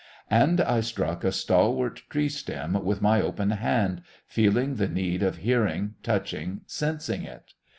And I struck a stalwart tree stem with my open hand, feeling the need of hearing, touching, sensing it.